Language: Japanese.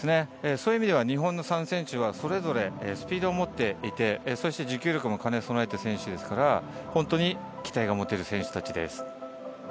そういう意味では日本の３選手はそれぞれスピードを持って行って、そして持久力も兼ね備えている選手ですから本当に期待が持てる選手たちです。